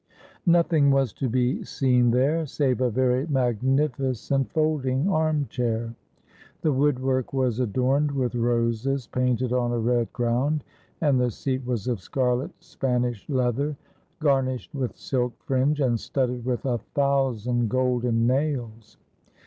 Nothing was to be seen there, save a very magnificent folding armchair. The woodwork was adorned with roses painted on a red ground, and the seat was of scarlet Spanish leather, gar nished with silk fringe, and studded with a thousand golden nails.